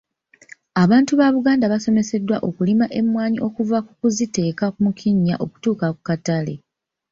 Abantu ba Buganda basomeseddwa okulima emmwanyi okuva ku kuziteeka mu kinnya okutuuka ku katale.